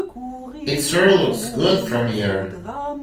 It sure looks good from here.